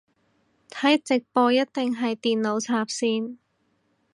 睇直播一定係電腦插線